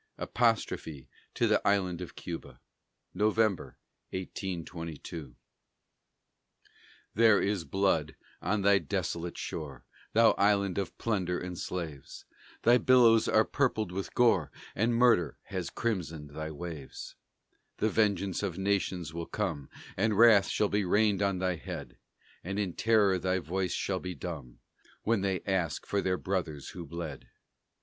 APOSTROPHE TO THE ISLAND OF CUBA [November, 1822] There is blood on thy desolate shore, Thou island of plunder and slaves! Thy billows are purpled with gore, And murder has crimsoned thy waves; The vengeance of nations will come, And wrath shall be rained on thy head, And in terror thy voice shall be dumb, When they ask for their brothers who bled.